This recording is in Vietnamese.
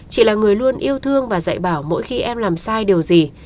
chị là người luôn yêu thương và dạy bảo mỗi khi em làm sai điều gì